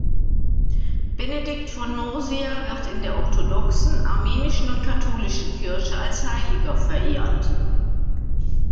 Benedikt von Nursia wird in der orthodoxen, armenischen und katholischen Kirche als Heiliger verehrt.